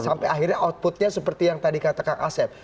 sampai akhirnya outputnya seperti yang tadi kata kak asep